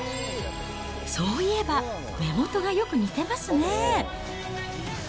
そういえば、目元がよく似てますね。